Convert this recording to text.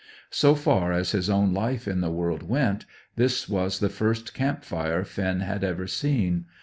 So far as his own life in the world went, this was the first camp fire Finn had ever seen.